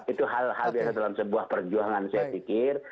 itu hal hal biasa dalam sebuah perjuangan saya pikir